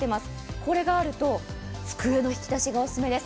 これがあると机の引き出しがオススメです。